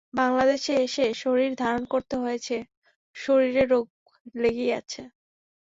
বাঙলাদেশে এসে শরীর ধারণ করতে হয়েছে, শরীরে রোগ লেগেই আছে।